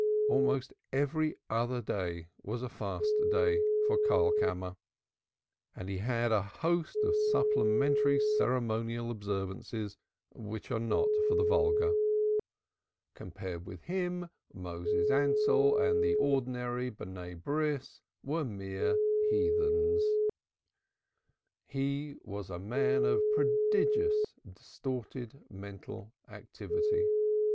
Almost every other day was a fast day for Karlkammer, and he had a host of supplementary ceremonial observances which are not for the vulgar. Compared with him Moses Ansell and the ordinary "Sons of the Covenant" were mere heathens. He was a man of prodigious distorted mental activity.